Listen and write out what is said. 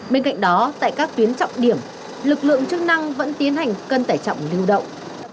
bên cạnh đó tại các tuyến trọng điểm lực lượng chức năng vẫn tiến hành cân tải trọng lưu động